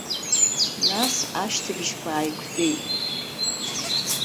Нас ашьҭыбжьқәа ааиқәтәеит.